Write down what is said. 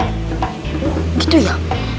oh gitu ya